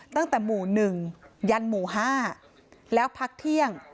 ตั้งแต่หมู่หนึ่งยันหมู่ห้าแล้วพักเที่ยง